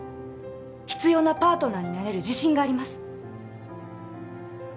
必要なパートナーになれる自信があります